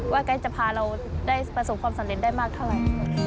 แก๊สจะพาเราได้ประสบความสำเร็จได้มากเท่าไหร่